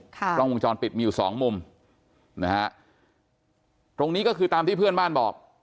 กล้องวงจรปิดมีอยู่สองมุมนะฮะตรงนี้ก็คือตามที่เพื่อนบ้านบอก